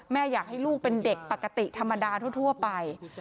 อยากให้ลูกเป็นเด็กปกติธรรมดาทั่วไป